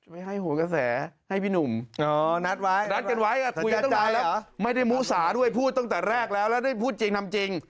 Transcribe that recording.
ไว้ให้หัวกระแสให้พี่หนุ่มนัดไว้นัดกันไว้คุยกันตั้งนานแล้วไม่ได้มูสาด้วยพูดตั้งแต่แรกแล้วแล้วได้พูดจริงนำจริง